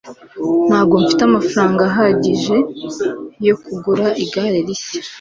Ntabwo mfite amafaranga ahagije yo kugura igare rishya.